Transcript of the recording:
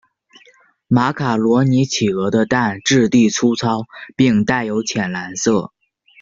马卡罗尼企鹅的蛋质地粗糙并带有浅蓝色。